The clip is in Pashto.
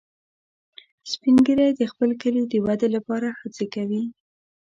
سپین ږیری د خپل کلي د ودې لپاره هڅې کوي